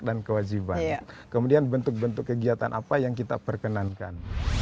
dan kewajiban kemudian bentuk bentuk kegiatan apa yang kita perkenankan